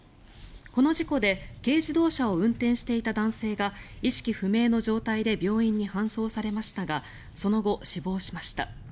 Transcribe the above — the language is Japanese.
この事故で軽自動車を運転していた男性が意識不明の状態で病院に搬送されましたがその後、死亡しました。